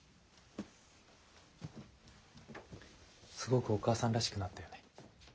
すごくお母さんらしくなったよね。